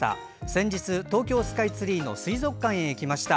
先日東京スカイツリーの水族館へ行きました。